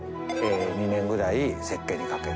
２年ぐらい設計にかけて。